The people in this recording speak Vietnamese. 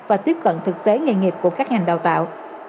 và tiếp cận thực tế nghề nghiệp của các ngành đào tạo